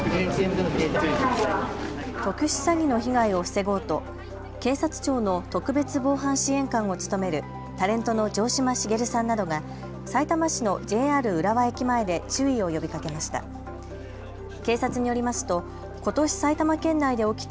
特殊詐欺の被害を防ごうと警察庁の特別防犯支援官を務めるタレントの城島茂さんなどがさいたま市のＪＲ浦和駅前で注意を呼びかけました。